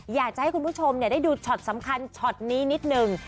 อยากจะให้คุณผู้ชมได้ดูช็อตสำคัญช็อตนี้นิดนึง